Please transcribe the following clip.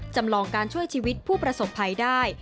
จำลองการช่วยชีวิตผู้ประสบภัยได้